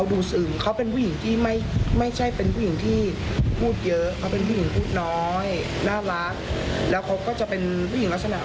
เพราะมันมีทางค่อยตรงถนนใหม่ของเรา